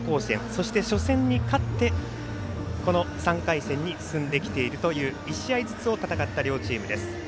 そして、初戦に勝ってこの３回戦に進んできているという１試合ずつを戦った両チームです。